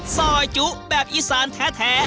ซอยจุแบบอีสานแท้